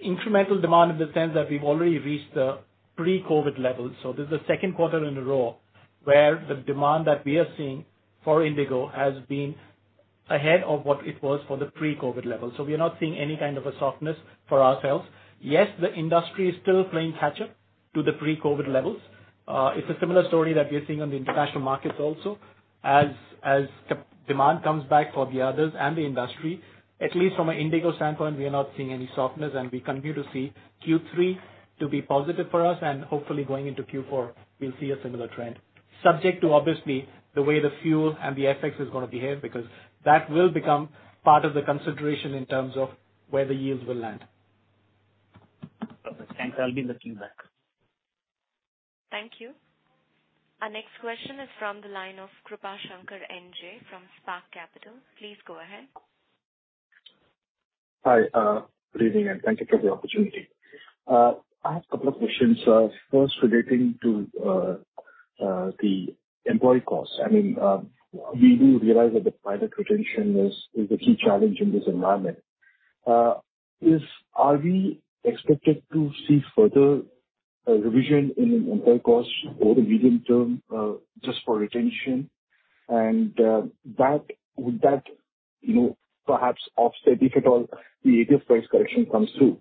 incremental demand in the sense that we've already reached the pre-COVID levels. This is the second quarter in a row where the demand that we are seeing for IndiGo has been ahead of what it was for the pre-COVID levels. We are not seeing any kind of a softness for ourselves. Yes, the industry is still playing catch-up to the pre-COVID levels. It's a similar story that we are seeing on the international markets also. As demand comes back for the others and the industry, at least from an IndiGo standpoint, we are not seeing any softness and we continue to see Q3 to be positive for us and hopefully going into Q4 we'll see a similar trend, subject to obviously the way the fuel and the FX is gonna behave, because that will become part of the consideration in terms of where the yields will land. Thanks. I'll be looking back. Thank you. Our next question is from the line of Krupa Shanker from Spark Capital. Please go ahead. Hi, good evening, and thank you for the opportunity. I have a couple of questions. First relating to the employee costs. I mean, we do realize that the pilot retention is a key challenge in this environment. Are we expected to see further revision in employee costs over the medium term just for retention? That would that, you know, perhaps offset, if at all, the ATF price correction comes through,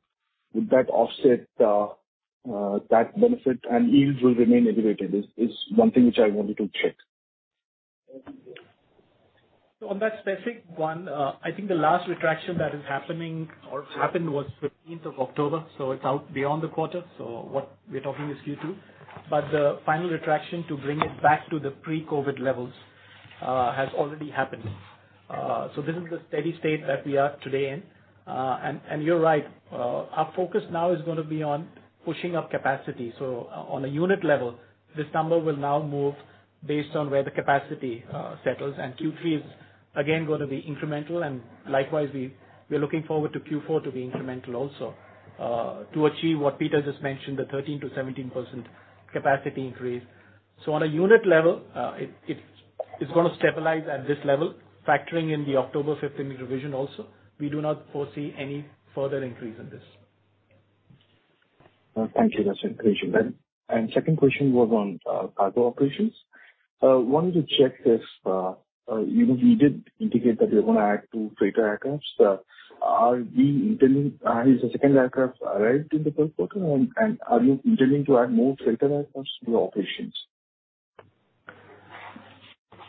would that offset that benefit and yields will remain elevated? Is one thing which I wanted to check. On that specific one, I think the last restoration that is happening or happened was fifteenth of October, so it's out beyond the quarter. What we're talking is Q2. The final restoration to bring it back to the pre-COVID levels has already happened. This is the steady state that we are today in. You're right, our focus now is gonna be on pushing up capacity. On a unit level, this number will now move based on where the capacity settles. Q3 is again gonna be incremental, and likewise, we're looking forward to Q4 to be incremental also, to achieve what Pieter just mentioned, the 13%-17% capacity increase. On a unit level, it's gonna stabilize at this level. Factoring in the October fifteenth revision also, we do not foresee any further increase in this. Thank you. That's encouraging then. Second question was on cargo operations. Wanted to check if you know, you did indicate that you're gonna add two freighter aircrafts. Has the second aircraft arrived in the third quarter, and are you intending to add more freighter aircrafts to your operations?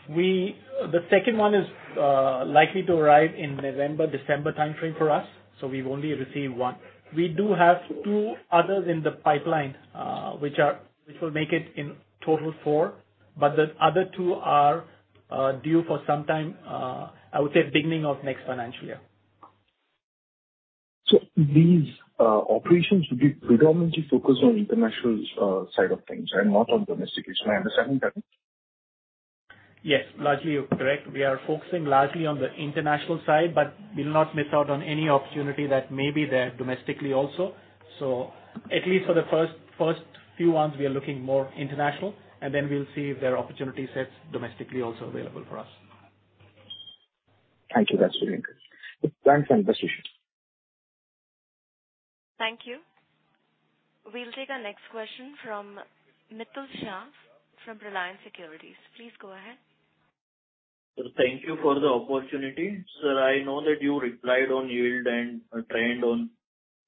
The second one is likely to arrive in November-December timeframe for us, so we've only received one. We do have two others in the pipeline, which will make it in total four, but the other two are due for some time, I would say beginning of next financial year. These operations will be predominantly focused on international side of things and not on domestic. Is my understanding correct? Yes. Largely, you're correct. We are focusing largely on the international side, but we'll not miss out on any opportunity that may be there domestically also. At least for the first few ones, we are looking more international, and then we'll see if there are opportunity sets domestically also available for us. Thank you. That's very encouraging. Thanks and best wishes. Thank you. We'll take our next question from Mitul Shah from Reliance Securities. Please go ahead. Thank you for the opportunity. Sir, I know that you replied on yield and trend on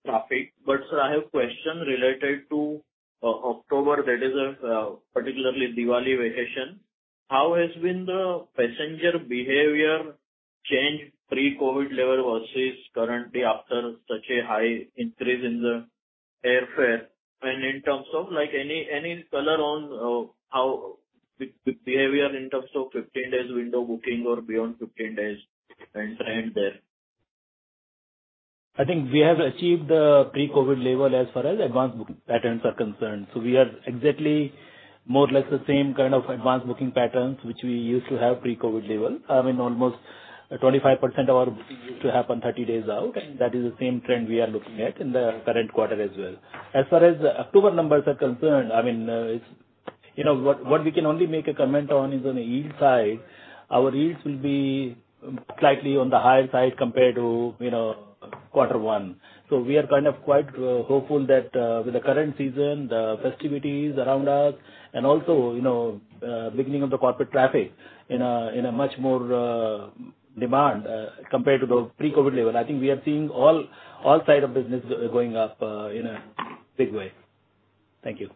traffic, but sir, I have question related to October, that is, particularly Diwali vacation. How has been the passenger behavior change pre-COVID level versus currently after such a high increase in the airfare? And in terms of like any color on how the behavior in terms of 15 days window booking or beyond 15 days and trend there. I think we have achieved the pre-COVID level as far as advanced booking patterns are concerned. We are exactly more or less the same kind of advanced booking patterns which we used to have pre-COVID level. I mean, almost 25% of our bookings used to happen 30 days out. That is the same trend we are looking at in the current quarter as well. As far as October numbers are concerned, I mean, you know, what we can only make a comment on is on the yield side. Our yields will be slightly on the higher side compared to, you know, quarter one. We are kind of quite hopeful that, with the current season, the festivities around us and also, you know, beginning of the corporate traffic in a much more demand compared to the pre-COVID level. I think we are seeing all side of business going up in a big way. Thank you.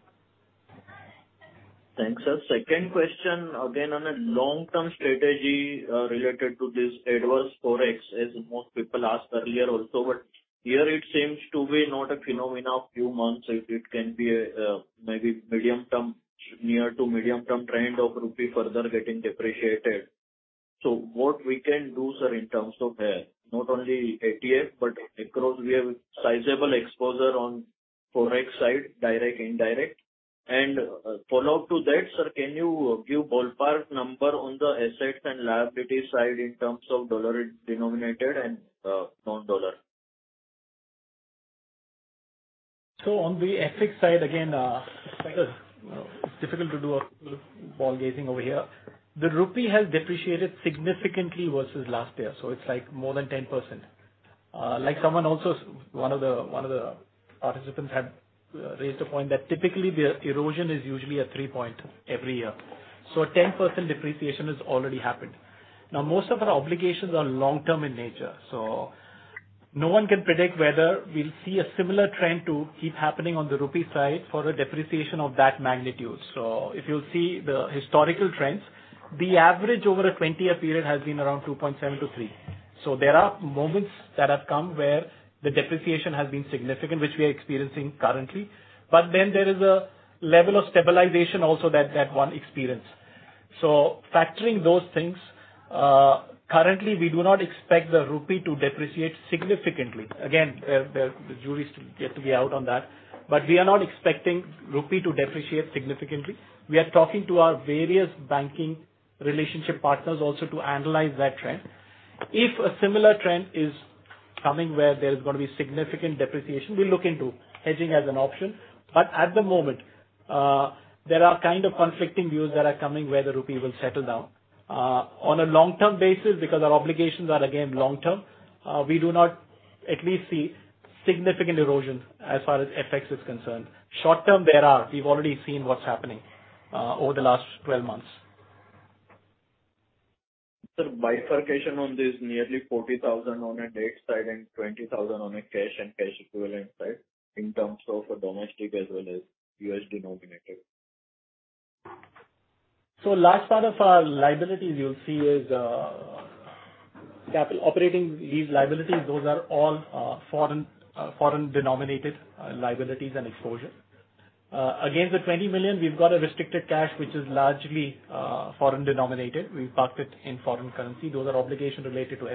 Thanks, sir. Second question, again on a long-term strategy, related to this adverse Forex, as most people asked earlier also. Here it seems to be not a phenomenon of few months. It can be a maybe medium-term, near to medium-term trend of rupee further getting depreciated. What we can do, sir, in terms of, not only ATF, but across we have sizable exposure on Forex side, direct, indirect. Follow-up to that, sir, can you give ballpark number on the assets and liability side in terms of dollar-denominated and non-dollar? On the FX side, again, it's difficult to do crystal ball gazing over here. The rupee has depreciated significantly versus last year, so it's like more than 10%. Like someone also one of the participants had raised a point that typically the erosion is usually a three-point every year. A 10% depreciation has already happened. Now, most of our obligations are long-term in nature, so no one can predict whether we'll see a similar trend to keep happening on the rupee side for a depreciation of that magnitude. If you'll see the historical trends, the average over a 20-year period has been around 2.7%-3%. There are moments that have come where the depreciation has been significant, which we are experiencing currently. There is a level of stabilization also that one experience. Factoring those things, currently we do not expect the rupee to depreciate significantly. Again, the jury is yet to be out on that, but we are not expecting rupee to depreciate significantly. We are talking to our various banking relationship partners also to analyze that trend. If a similar trend is coming where there's gonna be significant depreciation, we'll look into hedging as an option. At the moment, there are kind of conflicting views that are coming where the rupee will settle down. On a long-term basis, because our obligations are again long-term, we do not at least see significant erosion as far as FX is concerned. Short-term, we've already seen what's happening over the last 12 months. Sir, bifurcation on this nearly 40,000 on a debt side and 20,000 on a cash and cash equivalent side in terms of a domestic as well as USD denominate. Last part of our liabilities you'll see is capital operating lease liabilities. Those are all foreign denominated liabilities and exposure. Against the $20 million, we've got a restricted cash which is largely foreign denominated. We parked it in foreign currency. Those are obligations related to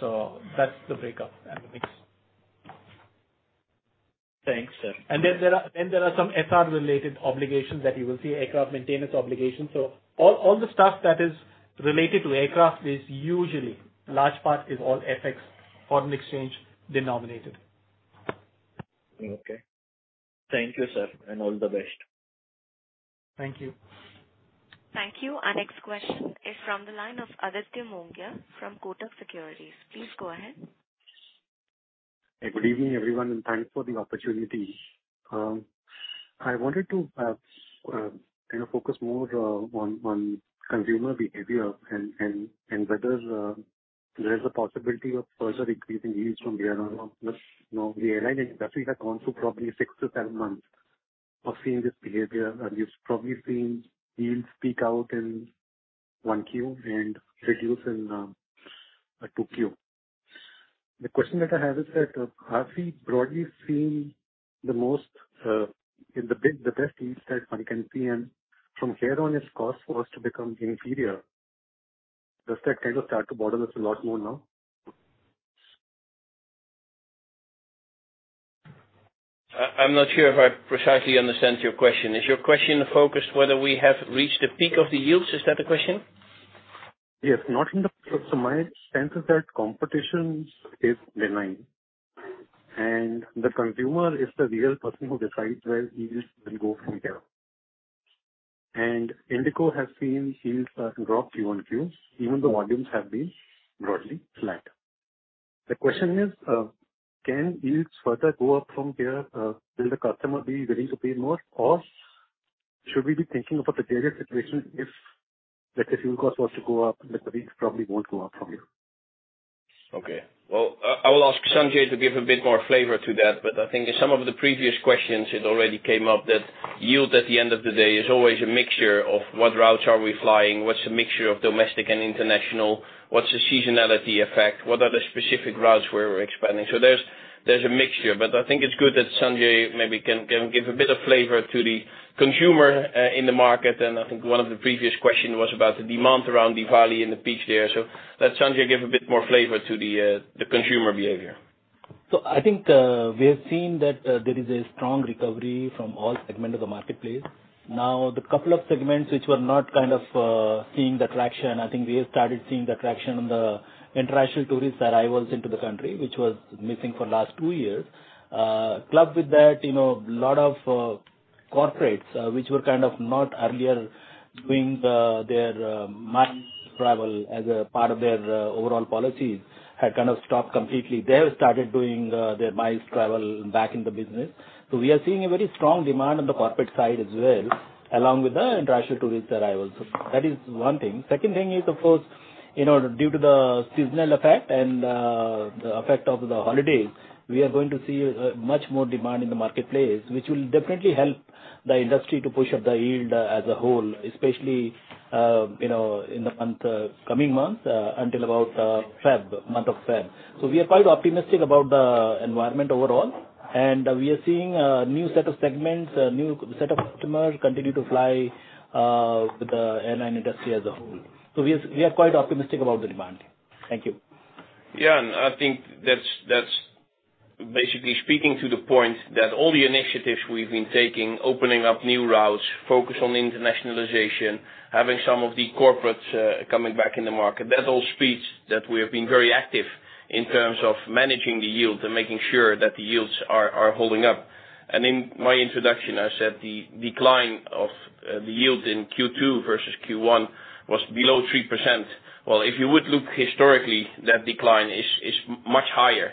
SLB. That's the breakdown and the mix. Thanks, sir. There are some SLB-related obligations that you will see, aircraft maintenance obligations. All the stuff that is related to aircraft is usually a large part is all FX foreign exchange denominated. Okay. Thank you, sir, and all the best. Thank you. Thank you. Our next question is from the line of Aditya Mongia from Kotak Securities. Please go ahead. Good evening, everyone, and thanks for the opportunity. I wanted to, you know, focus more on consumer behavior and whether there is a possibility of further increasing yields from here on, you know, the airline industry has gone through probably six to seven months of seeing this behavior. We've probably seen yields peak out in 1Q and reduce in 2Q. The question that I have is that, have we broadly seen the most, the biggest, the best yields that one can see and from here on par for the course for us to become inferior? Does that kind of start to bother us a lot more now? I'm not sure if I precisely understand your question. Is your question focused whether we have reached the peak of the yields? Is that the question? My sense is that competition is benign and the consumer is the real person who decides where yields will go from here. IndiGo has seen yields drop Q1 QoQ, even though volumes have been broadly flat. The question is, can yields further go up from here? Will the customer be willing to pay more? Should we be thinking of a periodic situation if, like the fuel cost was to go up, like the rates probably won't go up from here? Okay. Well, I will ask Sanjay to give a bit more flavor to that, but I think in some of the previous questions it already came up that yield at the end of the day is always a mixture of what routes are we flying, what's the mixture of domestic and international, what's the seasonality effect, what are the specific routes where we're expanding. There's a mixture, but I think it's good that Sanjay maybe can give a bit of flavor to the consumer in the market and I think one of the previous question was about the demand around Diwali in the peak there. Let Sanjay give a bit more flavor to the consumer behavior. I think we have seen that there is a strong recovery from all segments of the marketplace. A couple of segments which were not kind of seeing the traction, I think we have started seeing the traction on the international tourist arrivals into the country, which was missing for the last two years. Coupled with that, you know, a lot of corporates which were kind of not earlier doing their mileage travel as a part of their overall policy had kind of stopped completely. They have started doing their mileage travel back in the business. We are seeing a very strong demand on the corporate side as well, along with the international tourist arrivals. That is one thing. Second thing is of course, you know, due to the seasonal effect and the effect of the holiday, we are going to see much more demand in the marketplace, which will definitely help the industry to push up the yield as a whole, especially, you know, in the coming months, until about February, month of February. We are quite optimistic about the environment overall. We are seeing a new set of segments, a new set of customers continue to fly with the airline industry as a whole. We are quite optimistic about the demand. Thank you. Yeah, I think that's basically speaking to the point that all the initiatives we've been taking, opening up new routes, focus on internationalization, having some of the corporates coming back in the market, that all speaks that we have been very active in terms of managing the yield and making sure that the yields are holding up. In my introduction, I said the decline of the yield in Q2 versus Q1 was below 3%. Well, if you would look historically, that decline is much higher.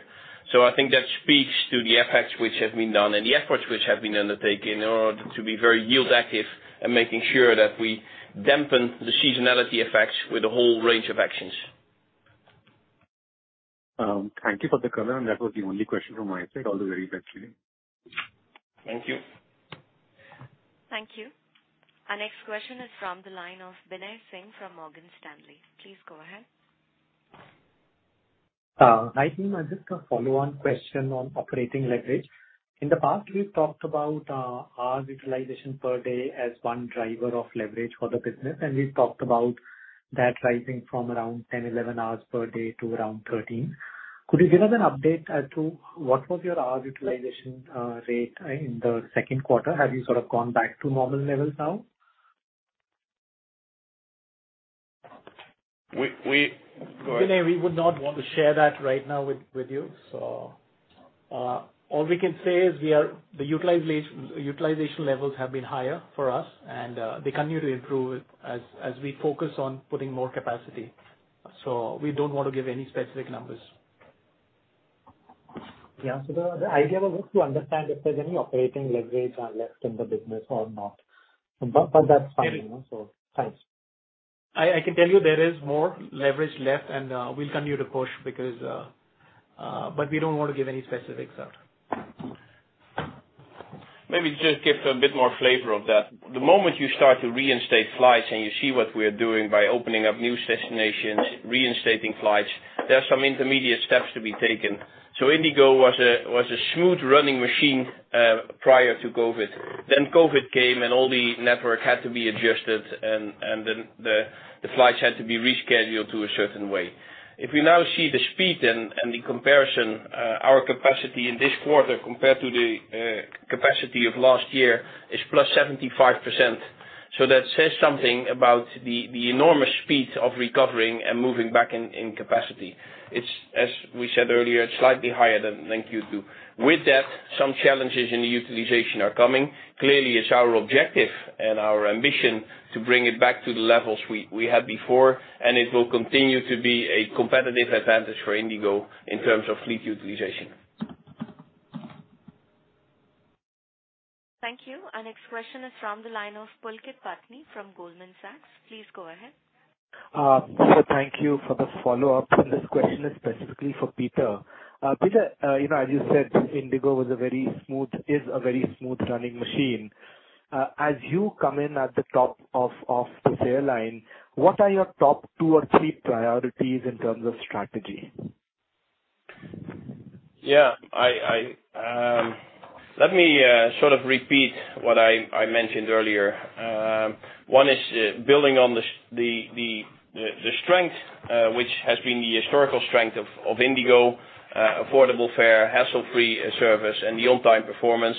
I think that speaks to the effects which have been done and the efforts which have been undertaken in order to be very yield active and making sure that we dampen the seasonality effects with a whole range of actions. Thank you for the color, and that was the only question from my side. All the very best to you. Thank you. Thank you. Our next question is from the line of Binay Singh from Morgan Stanley. Please go ahead. Hi, team. I have a follow-on question on operating leverage. In the past, we've talked about hour utilization per day as one driver of leverage for the business, and we've talked about that rising from around 10-11 hours per day to around 13. Could you give us an update as to what was your hour utilization rate in the second quarter? Have you sort of gone back to normal levels now? Go ahead. Vinay, we would not want to share that right now with you. All we can say is the utilization levels have been higher for us and they continue to improve as we focus on putting more capacity. We don't want to give any specific numbers. Yeah. The idea was just to understand if there's any operating leverage left in the business or not. That's fine, you know, so thanks. I can tell you there is more leverage left, and we'll continue to push but we don't wanna give any specifics out. Maybe just give a bit more flavor of that. The moment you start to reinstate flights and you see what we're doing by opening up new destinations, reinstating flights, there are some intermediate steps to be taken. IndiGo was a smooth-running machine prior to COVID. COVID came, and all the network had to be adjusted and then the flights had to be rescheduled to a certain way. If we now see the speed and the comparison, our capacity in this quarter compared to the capacity of last year is +75%. That says something about the enormous speed of recovering and moving back in capacity. It's as we said earlier, slightly higher than Q2. With that, some challenges in the utilization are coming. Clearly, it's our objective and our ambition to bring it back to the levels we had before, and it will continue to be a competitive advantage for IndiGo in terms of fleet utilization. Thank you. Our next question is from the line of Pulkit Patni from Goldman Sachs. Please go ahead. Thank you for the follow-up, and this question is specifically for Pieter. Pieter, you know, as you said, IndiGo is a very smooth-running machine. As you come in at the top of this airline, what are your top two or three priorities in terms of strategy? Let me sort of repeat what I mentioned earlier. One is building on the strength which has been the historical strength of IndiGo, affordable fare, hassle-free service, and the on-time performance.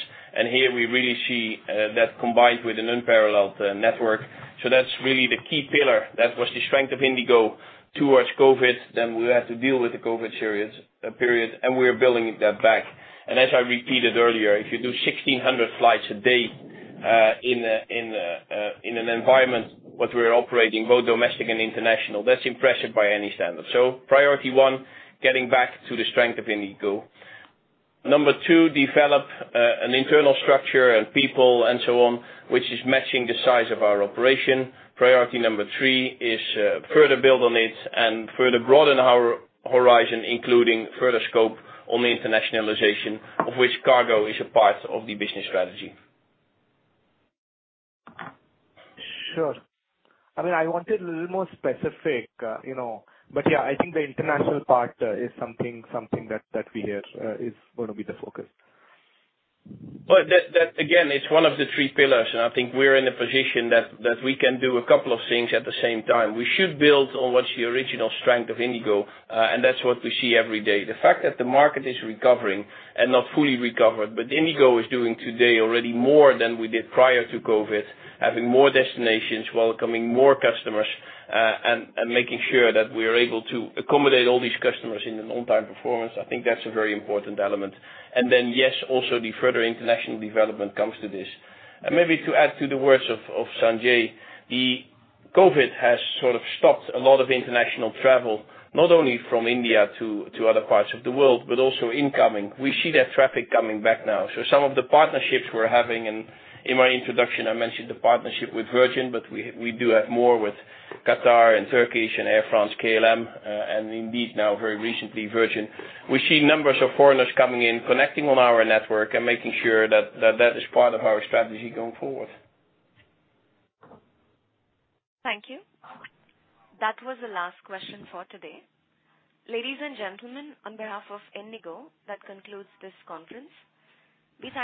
Here we really see that combined with an unparalleled network. That's really the key pillar. That was the strength of IndiGo pre-COVID, then we had to deal with the COVID crisis period, and we're building that back. As I repeated earlier, if you do 1,600 flights a day in an environment in which we're operating, both domestic and international, that's impressive by any standard. Priority one, getting back to the strength of IndiGo. Number two, develop an internal structure and people and so on, which is matching the size of our operation. Priority number three is further build on it and further broaden our horizon, including further scope on the internationalization, of which cargo is a part of the business strategy. Sure. I mean, I wanted a little more specific, you know, but yeah, I think the international part is something that we hear is gonna be the focus. That again is one of the three pillars, and I think we're in a position that we can do a couple of things at the same time. We should build on what's the original strength of IndiGo, and that's what we see every day. The fact that the market is recovering and not fully recovered, but IndiGo is doing today already more than we did prior to COVID, having more destinations, welcoming more customers, and making sure that we are able to accommodate all these customers in an on-time performance, I think that's a very important element. Yes, also the further international development comes to this. Maybe to add to the words of Sanjay, the COVID has sort of stopped a lot of international travel, not only from India to other parts of the world, but also incoming. We see that traffic coming back now. Some of the partnerships we're having, and in my introduction, I mentioned the partnership with Virgin, but we do have more with Qatar and Turkish and Air France, KLM, and indeed now very recently Virgin. We see numbers of foreigners coming in, connecting on our network and making sure that that is part of our strategy going forward. Thank you. That was the last question for today. Ladies and gentlemen, on behalf of IndiGo, that concludes this conference. We thank you.